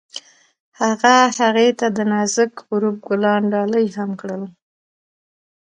هغه هغې ته د نازک غروب ګلان ډالۍ هم کړل.